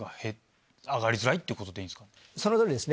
その通りですね。